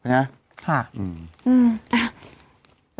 ไงครับค่ะ